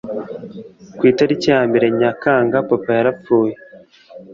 Ku itariki ya mbere Nyakanga papa yarapfuye